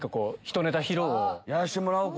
やらしてもらおう。